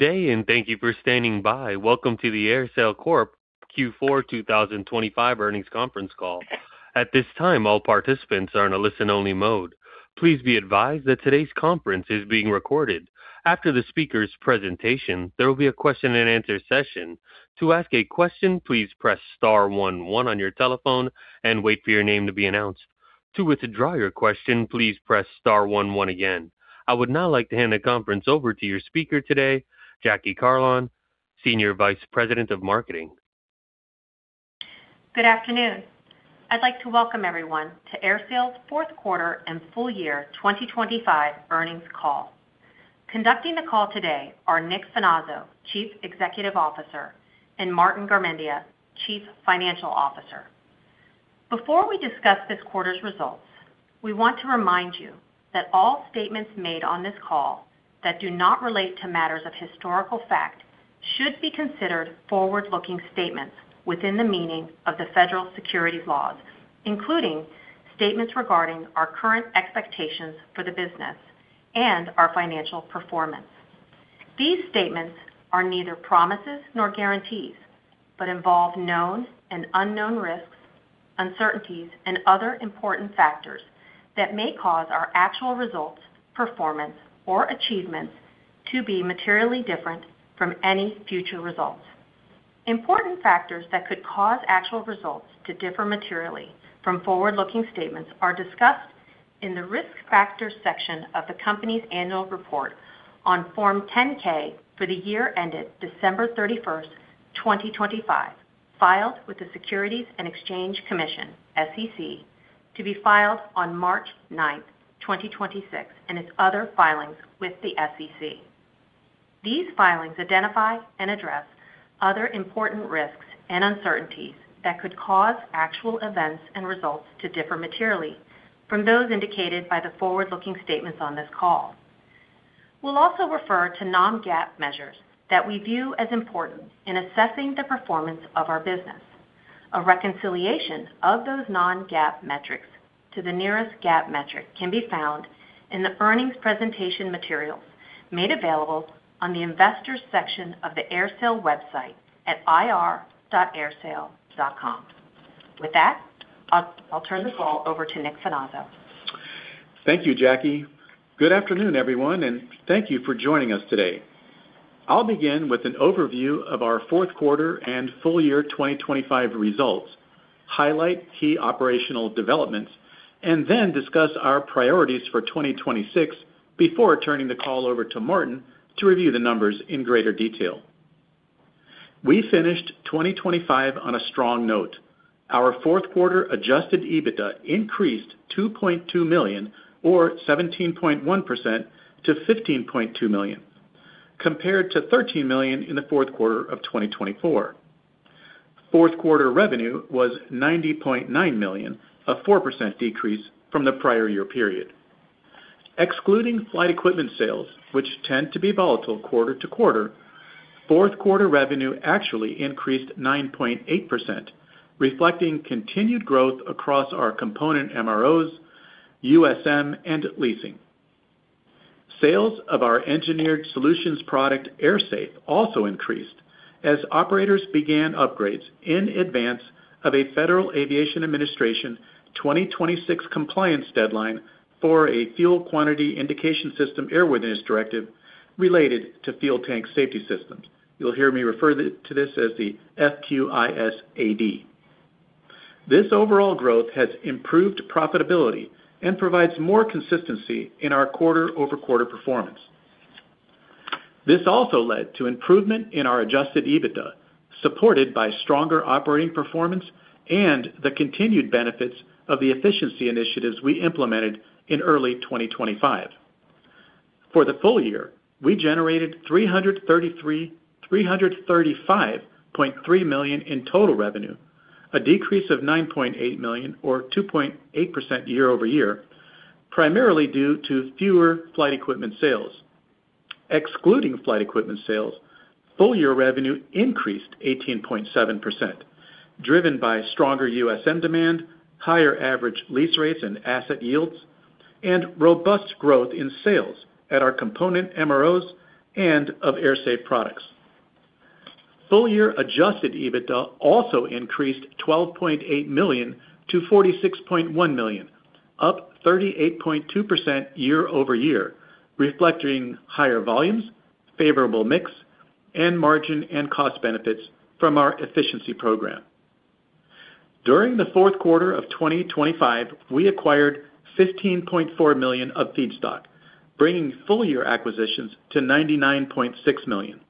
Good day. Thank you for standing by. Welcome to the AerSale Corporation Q4 2025 earnings conference call. At this time, all participants are in a listen-only mode. Please be advised that today's conference is being recorded. After the speaker's presentation, there will be a question-and-answer session. To ask a question, please press star one one on your telephone and wait for your name to be announced. To withdraw your question, please press star one one again. I would now like to hand the conference over to your speaker today, Jackie Carlon, Senior Vice President of Marketing. Good afternoon. I'd like to welcome everyone to AerSale's fourth quarter and full year 2025 earnings call. Conducting the call today are Nick Finazzo, Chief Executive Officer, and Martin Garmendia, Chief Financial Officer. Before we discuss this quarter's results, we want to remind you that all statements made on this call that do not relate to matters of historical fact should be considered forward-looking statements within the meaning of the federal securities laws, including statements regarding our current expectations for the business and our financial performance. These statements are neither promises nor guarantees, but involve known and unknown risks, uncertainties, and other important factors that may cause our actual results, performance, or achievements to be materially different from any future results. Important factors that could cause actual results to differ materially from forward-looking statements are discussed in the Risk Factors section of the company's annual report on Form 10-K for the year ended December 31st, 2025, filed with the Securities and Exchange Commission, SEC, to be filed on March 9th, 2026, and its other filings with the SEC. These filings identify and address other important risks and uncertainties that could cause actual events and results to differ materially from those indicated by the forward-looking statements on this call. We'll also refer to Non-GAAP measures that we view as important in assessing the performance of our business. A reconciliation of those Non-GAAP metrics to the nearest GAAP metric can be found in the earnings presentation materials made available on the Investors section of the AerSale website at ir.aersale.com. With that, I'll turn the call over to Nick Finazzo. Thank you, Jackie. Good afternoon, everyone, and thank you for joining us today. I'll begin with an overview of our fourth quarter and full year 2025 results, highlight key operational developments, and then discuss our priorities for 2026 before turning the call over to Martin to review the numbers in greater detail. We finished 2025 on a strong note. Our fourth quarter Adjusted EBITDA increased $2.2 million or 17.1% to $15.2 million, compared to $13 million in the fourth quarter of 2024. Fourth quarter revenue was $90.9 million, a 4% decrease from the prior year period. Excluding flight equipment sales, which tend to be volatile quarter to quarter, fourth quarter revenue actually increased 9.8%, reflecting continued growth across our component MROs, USM, and leasing. Sales of our engineered solutions product, AerSafe, also increased as operators began upgrades in advance of a Federal Aviation Administration 2026 compliance deadline for a Fuel Quantity Indication System airworthiness directive related to fuel tank safety systems. You'll hear me refer to this as the FQIS AD. This overall growth has improved profitability and provides more consistency in our quarter-over-quarter performance. This also led to improvement in our Adjusted EBITDA, supported by stronger operating performance and the continued benefits of the efficiency initiatives we implemented in early 2025. For the full year, we generated $335.3 million in total revenue, a decrease of $9.8 million or 2.8% year-over-year, primarily due to fewer flight equipment sales. Excluding flight equipment sales, full year revenue increased 18.7%, driven by stronger USM demand, higher average lease rates and asset yields, and robust growth in sales at our component MROs and of AerSafe products. Full year Adjusted EBITDA also increased $12.8 million to $46.1 million, up 38.2% year-over-year, reflecting higher volumes, favorable mix, and margin and cost benefits from our efficiency program. During the fourth quarter of 2025, we acquired $15.4 million of feedstock, bringing full year acquisitions to $99.6 million.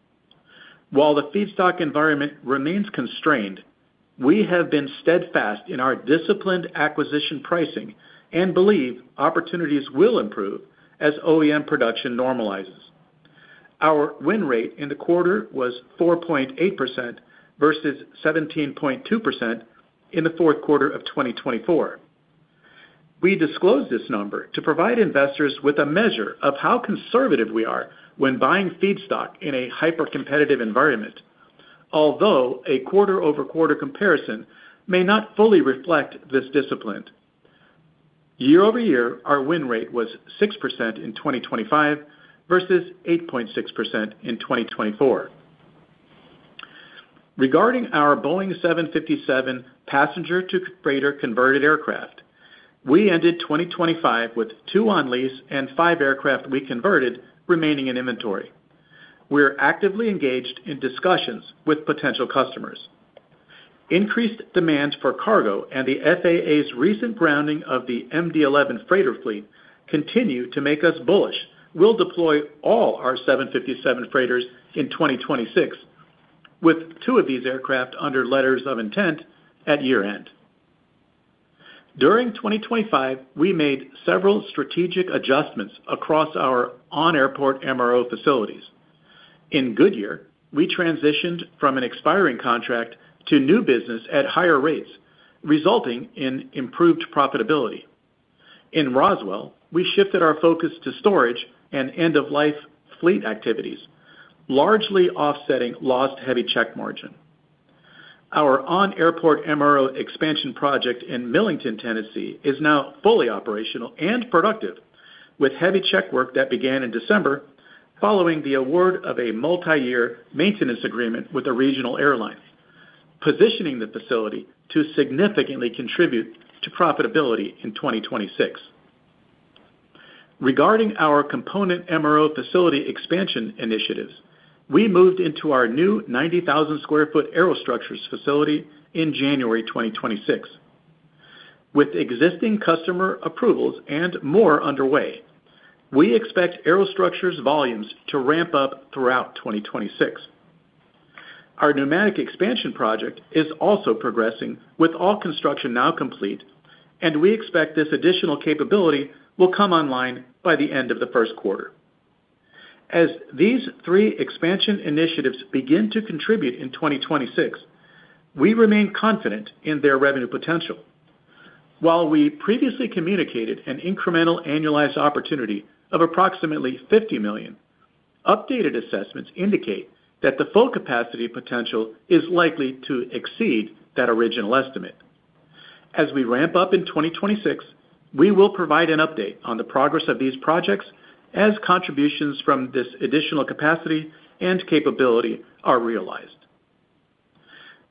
While the feedstock environment remains constrained, we have been steadfast in our disciplined acquisition pricing and believe opportunities will improve as OEM production normalizes. Our win rate in the quarter was 4.8% vs. 17.2% in the fourth quarter of 2024. We disclose this number to provide investors with a measure of how conservative we are when buying feedstock in a hyper-competitive environment. Although a quarter-over-quarter comparison may not fully reflect this discipline. Year-over-year, our win rate was 6% in 2025 versus 8.6% in 2024. Regarding our Boeing 757 passenger-to-freighter converted aircraft, we ended 2025 with two on lease and five aircraft we converted remaining in inventory. We are actively engaged in discussions with potential customers. Increased demand for cargo and the FAA's recent grounding of the MD-11 freighter fleet continue to make us bullish. We'll deploy all our 757 freighters in 2026, with two of these aircraft under letters of intent at year-end. During 2025, we made several strategic adjustments across our on-airport MRO facilities. In Goodyear, we transitioned from an expiring contract to new business at higher rates, resulting in improved profitability. In Roswell, we shifted our focus to storage and end of life fleet activities, largely offsetting lost heavy check margin. Our on-airport MRO expansion project in Millington, Tennessee, is now fully operational and productive with heavy check work that began in December following the award of a multiyear maintenance agreement with a regional airline, positioning the facility to significantly contribute to profitability in 2026. Regarding our component MRO facility expansion initiatives, we moved into our new 90,000 sq ft aerostructures facility in January 2026. With existing customer approvals and more underway, we expect aerostructures volumes to ramp up throughout 2026. Our pneumatic expansion project is also progressing with all construction now complete. We expect this additional capability will come online by the end of the first quarter. As these three expansion initiatives begin to contribute in 2026, we remain confident in their revenue potential. While we previously communicated an incremental annualized opportunity of approximately $50 million, updated assessments indicate that the full capacity potential is likely to exceed that original estimate. As we ramp up in 2026, we will provide an update on the progress of these projects as contributions from this additional capacity and capability are realized.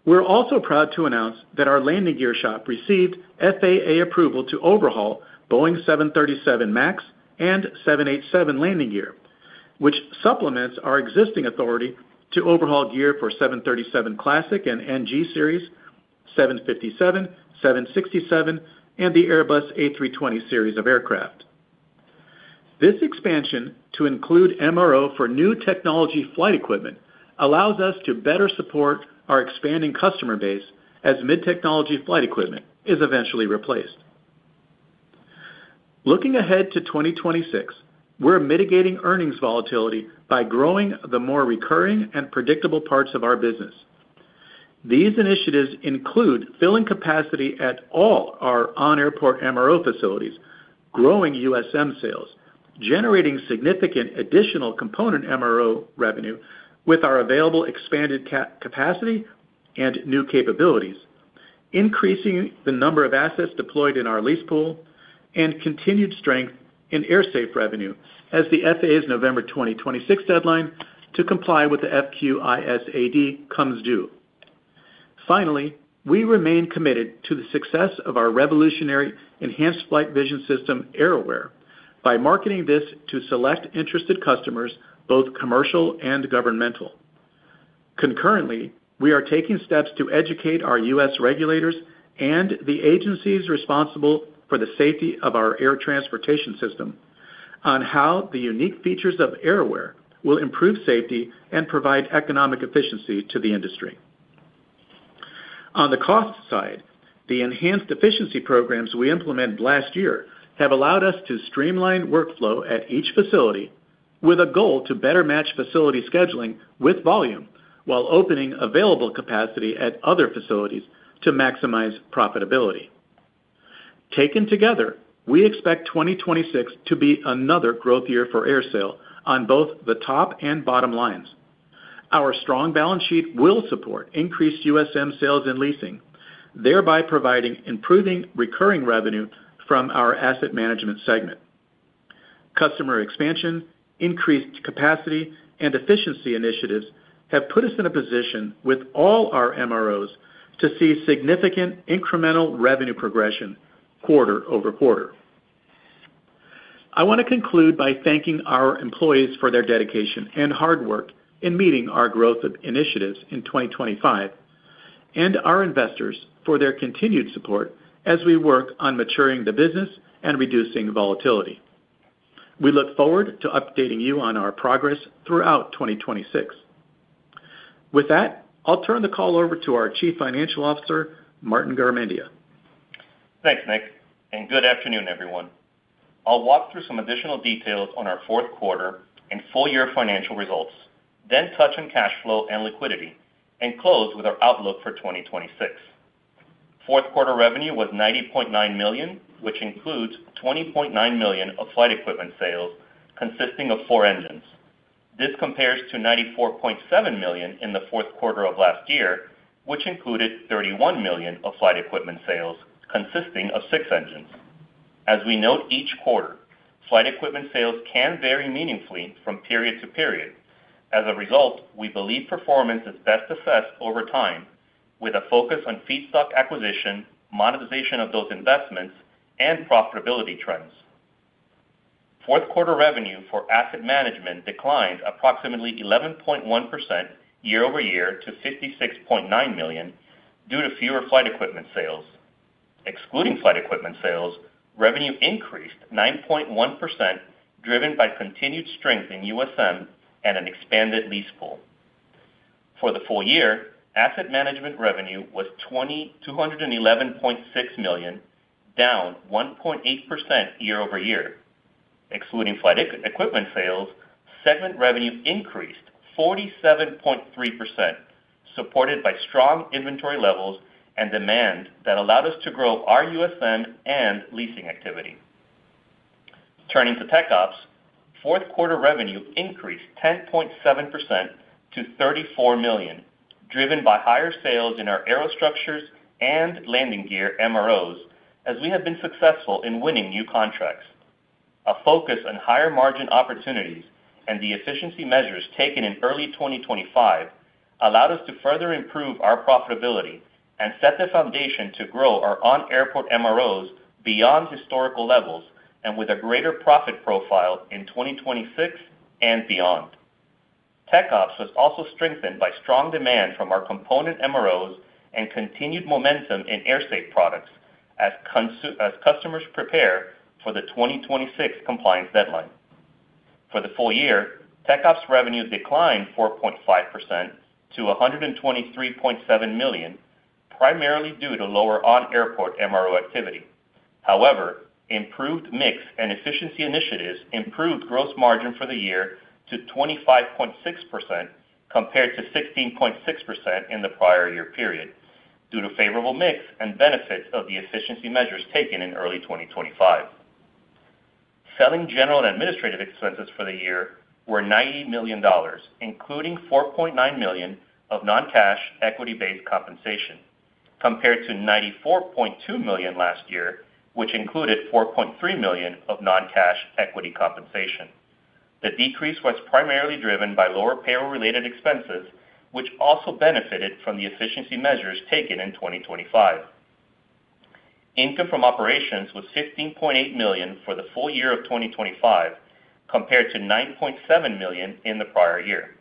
We're also proud to announce that our landing gear shop received FAA approval to overhaul Boeing 737 MAX and 787 landing gear, which supplements our existing authority to overhaul gear for 737 Classic and NG series, 757, 767, and the Airbus A320 series of aircraft. This expansion to include MRO for new technology flight equipment allows us to better support our expanding customer base as mid-technology flight equipment is eventually replaced. Looking ahead to 2026, we're mitigating earnings volatility by growing the more recurring and predictable parts of our business. These initiatives include filling capacity at all our on-airport MRO facilities, growing USM sales, generating significant additional component MRO revenue with our available expanded capacity and new capabilities, increasing the number of assets deployed in our lease pool, and continued strength in AerSafe revenue as the FAA's November 2026 deadline to comply with the FQISAD comes due. We remain committed to the success of our revolutionary Enhanced Flight Vision System, AerAware, by marketing this to select interested customers, both commercial and governmental. We are taking steps to educate our U.S. regulators and the agencies responsible for the safety of our air transportation system on how the unique features of AerAware will improve safety and provide economic efficiency to the industry. On the cost side, the enhanced efficiency programs we implemented last year have allowed us to streamline workflow at each facility with a goal to better match facility scheduling with volume while opening available capacity at other facilities to maximize profitability. Taken together, we expect 2026 to be another growth year for AerSale on both the top and bottom lines. Our strong balance sheet will support increased USM sales and leasing, thereby providing improving recurring revenue from our asset management segment. Customer expansion, increased capacity, and efficiency initiatives have put us in a position with all our MROs to see significant incremental revenue progression quarter-over-quarter. I want to conclude by thanking our employees for their dedication and hard work in meeting our growth of initiatives in 2025, and our investors for their continued support as we work on maturing the business and reducing volatility. We look forward to updating you on our progress throughout 2026. With that, I'll turn the call over to our Chief Financial Officer, Martin Garmendia. Thanks, Nick. Good afternoon, everyone. I'll walk through some additional details on our fourth quarter and full year financial results, then touch on cash flow and liquidity and close with our outlook for 2026. Fourth quarter revenue was $90.9 million, which includes $20.9 million of flight equipment sales consisting of four engines. This compares to $94.7 million in the fourth quarter of last year, which included $31 million of flight equipment sales consisting of 6 engines. As we note each quarter, flight equipment sales can vary meaningfully from period to period. As a result, we believe performance is best assessed over time with a focus on feedstock acquisition, monetization of those investments, and profitability trends. Fourth quarter revenue for Asset Management declined approximately 11.1% year-over-year to $56.9 million due to fewer flight equipment sales. Excluding flight equipment sales, revenue increased 9.1%, driven by continued strength in USM and an expanded lease pool. For the full year, Asset Management revenue was $211.6 million, down 1.8% year-over-year. Excluding flight equipment sales, segment revenue increased 47.3%, supported by strong inventory levels and demand that allowed us to grow our USM and leasing activity. Turning to TechOps, fourth quarter revenue increased 10.7% to $34 million, driven by higher sales in our aerostructures and landing gear MROs as we have been successful in winning new contracts. A focus on higher margin opportunities and the efficiency measures taken in early 2025 allowed us to further improve our profitability and set the foundation to grow our on-airport MROs beyond historical levels and with a greater profit profile in 2026 and beyond. TechOps was also strengthened by strong demand from our component MROs and continued momentum in AerSafe products as customers prepare for the 2026 compliance deadline. For the full year, TechOps revenue declined 4.5% to $123.7 million, primarily due to lower on-airport MRO activity. However, improved mix and efficiency initiatives improved gross margin for the year to 25.6% compared to 16.6% in the prior year period, due to favorable mix and benefits of the efficiency measures taken in early 2025. Selling general and administrative expenses for the year were $90 million, including $4.9 million of non-cash equity-based compensation, compared to $94.2 million last year, which included $4.3 million of non-cash equity compensation. The decrease was primarily driven by lower payroll-related expenses, which also benefited from the efficiency measures taken in 2025. Income from operations was $15.8 million for the full year of 2025, compared to $9.7 million in the prior year.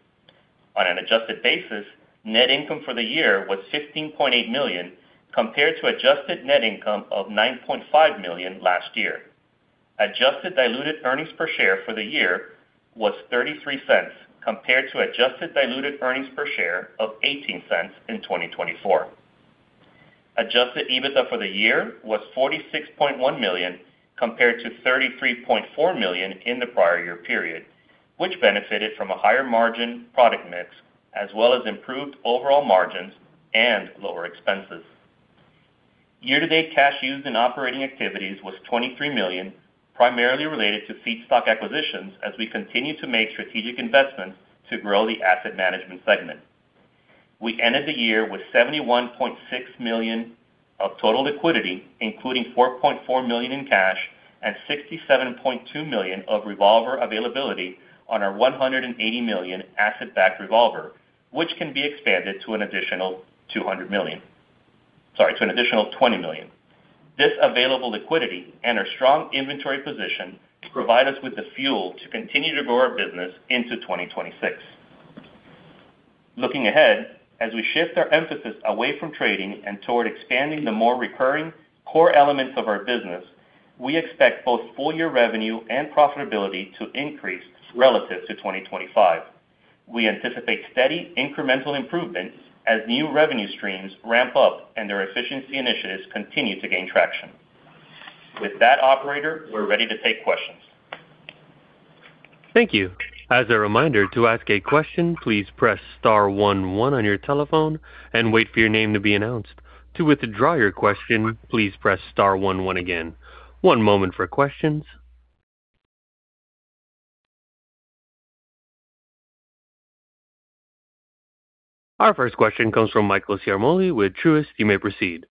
On an adjusted basis, net income for the year was $15.8 million, compared to adjusted net income of $9.5 million last year. adjusted diluted earnings per share for the year was $0.33, compared to adjusted diluted earnings per share of $0.18 in 2024. Adjusted EBITDA for the year was $46.1 million, compared to $33.4 million in the prior year period, which benefited from a higher margin product mix as well as improved overall margins and lower expenses. Year-to-date cash used in operating activities was $23 million, primarily related to feedstock acquisitions as we continue to make strategic investments to grow the Asset Management segment. We ended the year with $71.6 million of total liquidity, including $4.4 million in cash and $67.2 million of revolver availability on our $180 million asset-backed revolver, which can be expanded to an additional $200 million. Sorry, to an additional $20 million. This available liquidity and our strong inventory position provide us with the fuel to continue to grow our business into 2026. Looking ahead, as we shift our emphasis away from trading and toward expanding the more recurring core elements of our business, we expect both full year revenue and profitability to increase relative to 2025. We anticipate steady incremental improvements as new revenue streams ramp up and their efficiency initiatives continue to gain traction. With that, operator, we're ready to take questions. Thank you. As a reminder, to ask a question, please press star one one on your telephone and wait for your name to be announced. To withdraw your question, please press star one one again. One moment for questions. Our first question comes from Michael Ciarmoli with Truist. You may proceed.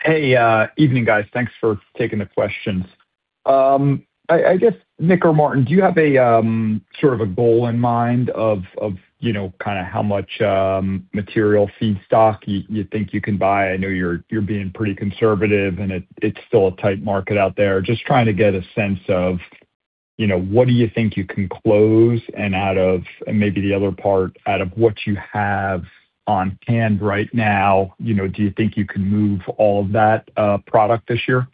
Hey, evening, guys. Thanks for taking the questions. I guess, Nick or Martin, do you have a, sort of a goal in mind of, you know, kinda how much, material feedstock you think you can buy? I know you're being pretty conservative, and it's still a tight market out there. Just trying to get a sense of, you know, what do you think you can close and out of, maybe the other part, out of what you have on hand right now, you know, do you think you can move all of that, product this year?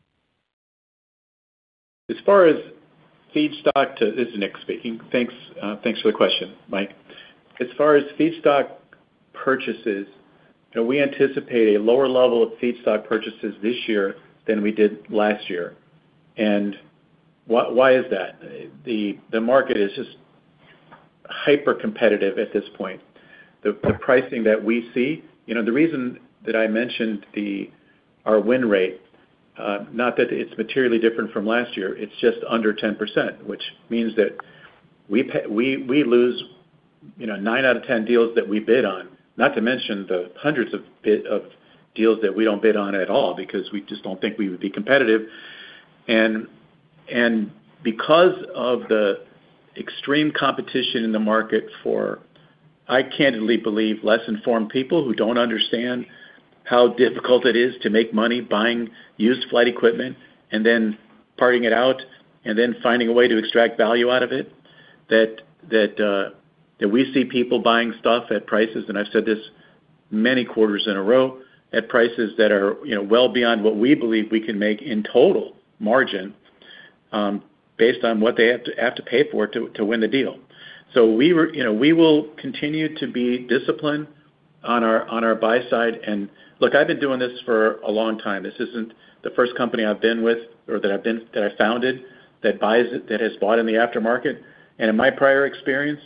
As far as feedstock to... This is Nick speaking. Thanks, thanks for the question, Mike. As far as feedstock purchases, you know, we anticipate a lower level of feedstock purchases this year than we did last year. Why is that? The market is just hypercompetitive at this point. The pricing that we see, you know, the reason that I mentioned our win rate Not that it's materially different from last year, it's just under 10%, which means that we lose, you know, nine out of 10 deals that we bid on. Not to mention the hundreds of deals that we don't bid on at all because we just don't think we would be competitive. Because of the extreme competition in the market for, I candidly believe, less informed people who don't understand how difficult it is to make money buying used flight equipment and then parting it out and then finding a way to extract value out of it, that we see people buying stuff at prices, and I've said this many quarters in a row, at prices that are, you know, well beyond what we believe we can make in total margin, based on what they have to pay for it to win the deal. You know, we will continue to be disciplined on our buy side. Look, I've been doing this for a long time. This isn't the first company I've been with or that I founded that buys it, that has bought in the aftermarket. In my prior experience,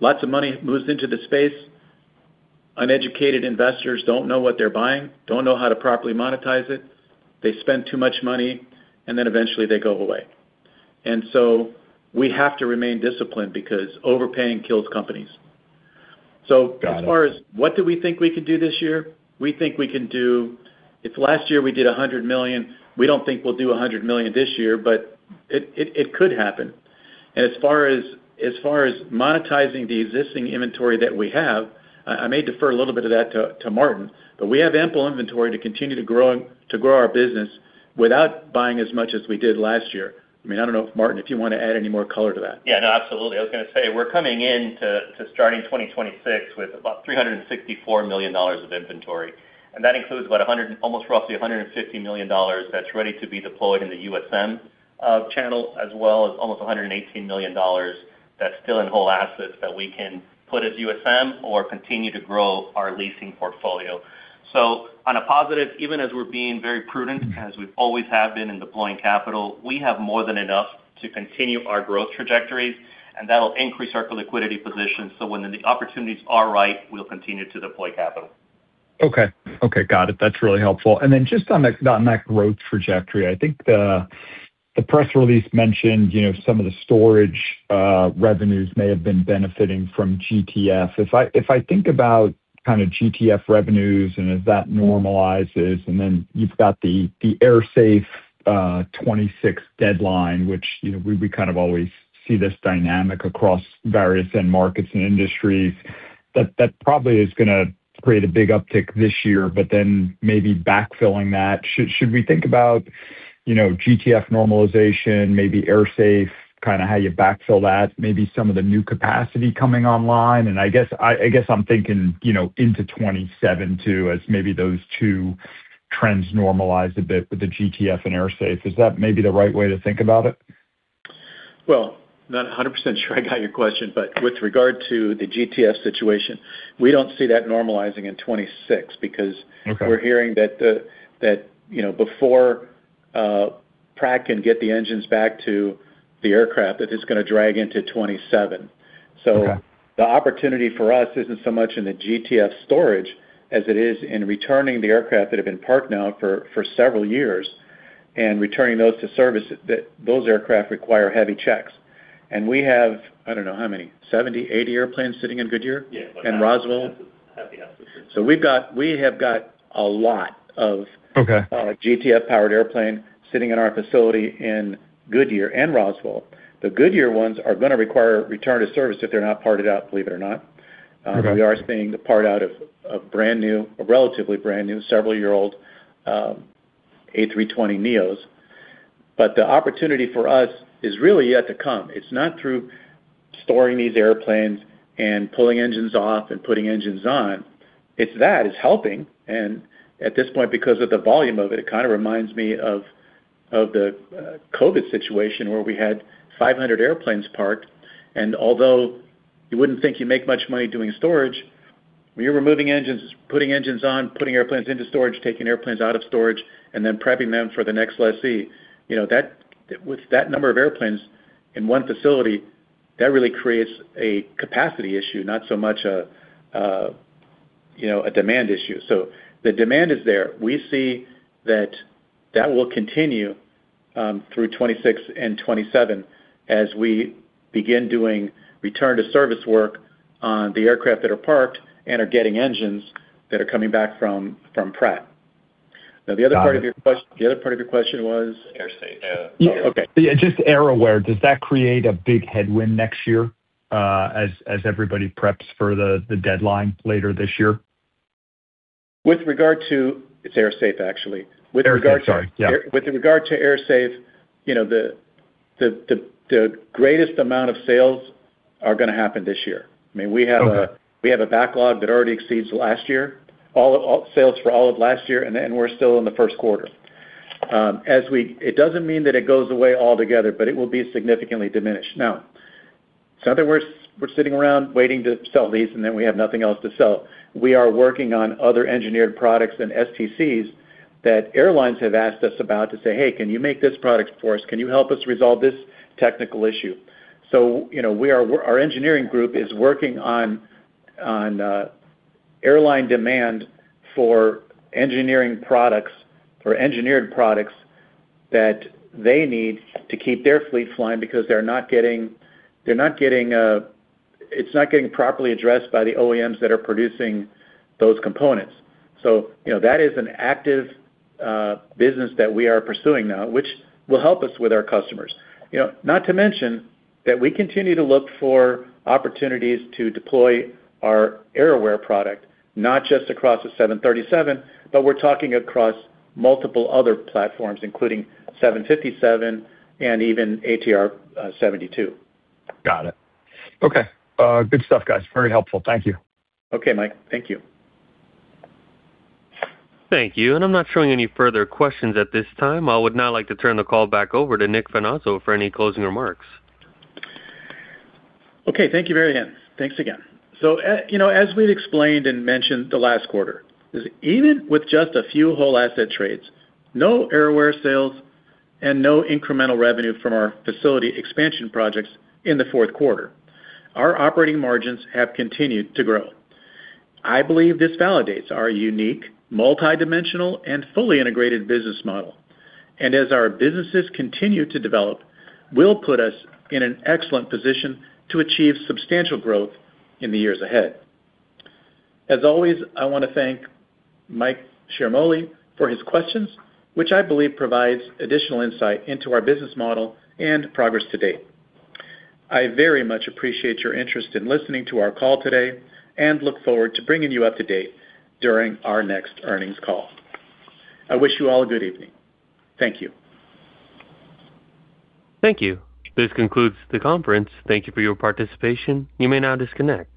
lots of money moves into the space. Uneducated investors don't know what they're buying, don't know how to properly monetize it. They spend too much money, and then eventually they go away. We have to remain disciplined because overpaying kills companies. Got it. As far as what do we think we can do this year, we think we can do. If last year we did $100 million, we don't think we'll do $100 million this year, but it could happen. As far as monetizing the existing inventory that we have, I may defer a little bit of that to Martin, but we have ample inventory to continue to grow our business without buying as much as we did last year. I mean, I don't know if, Martin, if you wanna add any more color to that. Yeah, no, absolutely. I was gonna say, we're coming in to starting 2026 with about $364 million of inventory. That includes almost roughly $150 million that's ready to be deployed in the USM channel, as well as almost $118 million that's still in whole assets that we can put as USM or continue to grow our leasing portfolio. On a positive, even as we're being very prudent, as we always have been in deploying capital, we have more than enough to continue our growth trajectories, and that'll increase our liquidity position. When the opportunities are right, we'll continue to deploy capital. Okay. Okay, got it. That's really helpful. Just on that, on that growth trajectory, I think the press release mentioned, you know, some of the storage revenues may have been benefiting from GTF. If I think about kind of GTF revenues and as that normalizes, then you've got the AerSafe 26 deadline, which, you know, we kind of always see this dynamic across various end markets and industries, that probably is gonna create a big uptick this year, but then maybe backfilling that. Should we think about, you know, GTF normalization, maybe AerSafe, kinda how you backfill that, maybe some of the new capacity coming online? I guess I'm thinking, you know, into 2027 too, as maybe those two trends normalize a bit with the GTF and AerSafe. Is that maybe the right way to think about it? Well, not 100% sure I got your question. With regard to the GTF situation, we don't see that normalizing in 2026 because- Okay we're hearing that the, you know, before Pratt can get the engines back to the aircraft, that it's gonna drag into 2027. Okay. The opportunity for us isn't so much in the GTF storage as it is in returning the aircraft that have been parked now for several years and returning those to service. Those aircraft require heavy checks. We have, I don't know, how many? 70, 80 airplanes sitting in Goodyear? Yeah, about that. Roswell. Happy episodes. We have got a lot of. Okay GTF-powered airplane sitting in our facility in Goodyear and Roswell. The Goodyear ones are gonna require return to service if they're not parted out, believe it or not. Okay. We are seeing the part out of brand-new, or relatively brand-new, several-year-old, A320neos. The opportunity for us is really yet to come. It's not through storing these airplanes and pulling engines off and putting engines on. It's that, it's helping. At this point, because of the volume of it kind of reminds me of the COVID situation where we had 500 airplanes parked. Although you wouldn't think you make much money doing storage, when you're removing engines, putting engines on, putting airplanes into storage, taking airplanes out of storage, and then prepping them for the next lessee, you know, with that number of airplanes in one facility, that really creates a capacity issue, not so much a, you know, a demand issue. The demand is there. We see that will continue through 26 and 27 as we begin doing return to service work on the aircraft that are parked and are getting engines that are coming back from Pratt. The other part of your. Got it. The other part of your question was? AerSale, yeah. Oh, okay. Yeah, just AerAware, does that create a big headwind next year, as everybody preps for the deadline later this year? With regard to... It's AerSafe, actually. AerSale, sorry. Yeah. With regard to AerSafe, you know, the greatest amount of sales are gonna happen this year. I mean, we have. Okay we have a backlog that already exceeds last year, all sales for all of last year, and we're still in the first quarter. It doesn't mean that it goes away altogether, but it will be significantly diminished. It's not that we're sitting around waiting to sell these, and then we have nothing else to sell. We are working on other engineered products and STCs that airlines have asked us about to say, "Hey, can you make this product for us? Can you help us resolve this technical issue?" You know, our engineering group is working on airline demand for engineering products or engineered products that they need to keep their fleet flying because they're not getting. It's not getting properly addressed by the OEMs that are producing those components. You know, that is an active business that we are pursuing now, which will help us with our customers. You know, not to mention that we continue to look for opportunities to deploy our AerAware product, not just across the 737, but we're talking across multiple other platforms, including 757 and even ATR 72. Got it. Okay. Good stuff, guys. Very helpful. Thank you. Okay, Mike. Thank you. Thank you. I'm not showing any further questions at this time. I would now like to turn the call back over to Nicolas Finazzo for any closing remarks. Okay. Thank you very again. Thanks again. You know, as we've explained and mentioned the last quarter, is even with just a few whole asset trades, no AerAware sales, and no incremental revenue from our facility expansion projects in the fourth quarter, our operating margins have continued to grow. I believe this validates our unique, multidimensional, and fully integrated business model. As our businesses continue to develop, will put us in an excellent position to achieve substantial growth in the years ahead. As always, I wanna thank Mike Ciarmoli for his questions, which I believe provides additional insight into our business model and progress to date. I very much appreciate your interest in listening to our call today, and look forward to bringing you up to date during our next earnings call. I wish you all a good evening. Thank you. Thank you. This concludes the conference. Thank you for your participation. You may now disconnect.